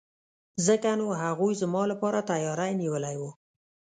ځکه نو هغوی زما لپاره تیاری نیولی وو.